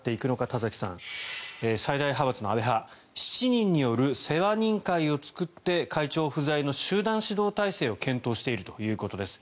田崎さん、最大派閥の安倍派７人による世話人会を作って会長不在の集団指導体制を検討しているということです。